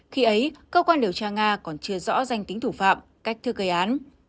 khi ấy cơ quan điều tra nga còn chưa rõ danh tính thủ phạm cách thức gây án